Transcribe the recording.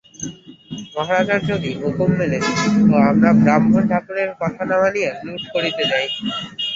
মহারাজার যদি হুকুম মিলে তো আমরা ব্রাহ্মণ-ঠাকুরের কথা না মানিয়া লুঠ করিতে যাই।